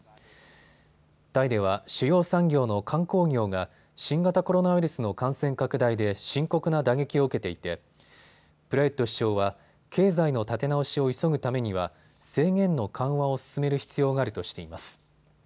タイでは主要産業の観光業が新型コロナウイルスの感染拡大で深刻な打撃を受けていてプラユット首相は経済の立て直しを急ぐためには制限の緩和を進める必要があるとしています。